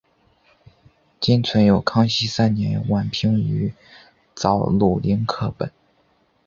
今存有康熙三年宛平于藻庐陵刻本。